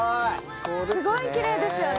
すごいきれいですよね。